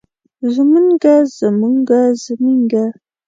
زمونږه زمونګه زمينګه